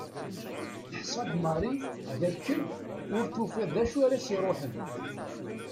Teḥsa Mary d akken ur tufiḍ d acu ara s-iruḥen.